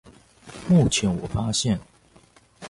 目前我發現